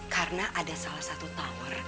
karena ada salah satu tower